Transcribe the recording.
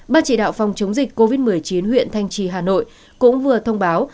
ban chỉ đạo phòng chống dịch covid một mươi chín huyện thanh trì hà nội cũng vừa thông báo